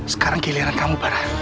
sekarang giliran kamu barah